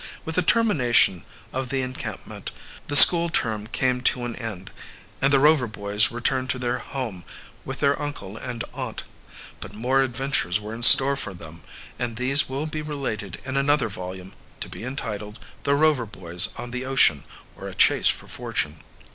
With the termination of the encampment the school term came to an end, and the Rover boys returned to their home with their uncle and aunt. But more adventures were in store for them, and these will be related in another volume, to be entitled "The Rover Boys on the Ocean; or, a Chase for Fortune."